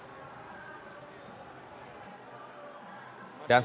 dan sementara disisikan oleh anies